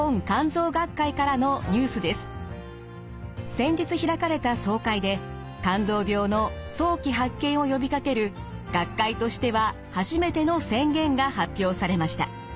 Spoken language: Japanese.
先日開かれた総会で肝臓病の早期発見をよびかける学会としては初めての宣言が発表されました。